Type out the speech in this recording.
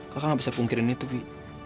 kakak gak bisa pungkirin itu bi